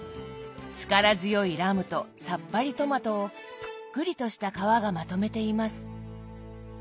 力強いラムとさっぱりトマトをぷっくりとした皮がまとめています。